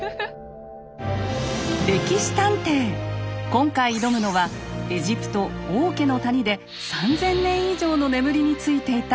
今回挑むのはエジプト「王家の谷」で３，０００年以上の眠りについていた